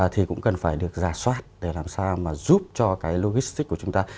thì cũng cần phải được giả soát để làm sao mà giúp cho cái logistic của chúng ta